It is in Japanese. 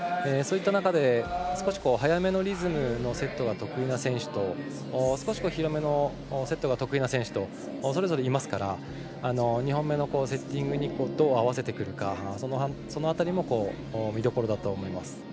そういった中で、少し早めのリズムのセットが得意な選手と少し広めなセットが得意な選手とそれぞれいますから２本目のセッティングにどう合わせてくるか、その辺りも見どころだと思います。